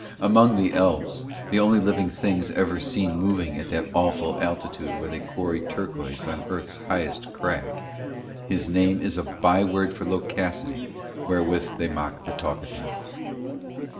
Among the elves, the only living things ever seen moving at that awful altitude where they quarry turquoise on Earth's highest crag, his name is a byword for loquacity wherewith they mock the talkative.